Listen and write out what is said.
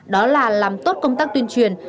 đó là làm tốt công tác tuyên truyền